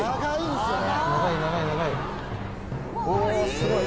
おすごい！